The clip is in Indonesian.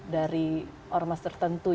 dari orang mas tertentu